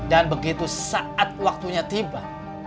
dan begitu saat waktunya tiba